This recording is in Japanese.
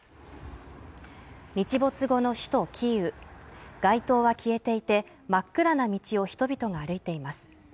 日没後の首都キーウ街灯は消えていて真っ暗な道を人々が歩いています